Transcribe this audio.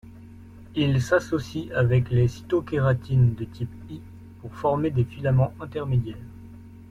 Ils s'associent avec les cytokératines de type I pour former des filaments intermédiaires.